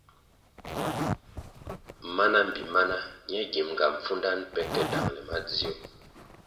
Mana mbpi mana ñe gimʼnga pfundanʼ pe ke dangʼle madzio.